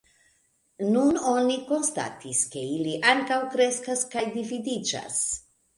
Nun oni konstatis, ke ili ankaŭ kreskas kaj dividiĝas.